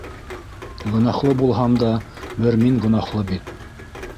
Гонаһлы булһам да бер мин гонаһлы бит!